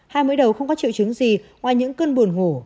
hai mũi đầu không có triệu chứng gì ngoài những cơn buồn ngủ